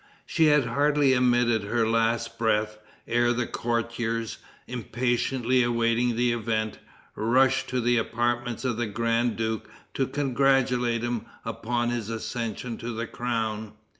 She had hardly emitted her last breath, ere the courtiers, impatiently awaiting the event, rushed to the apartments of the grand duke to congratulate him upon his accession to the crown.